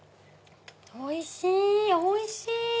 おいしいおいしい！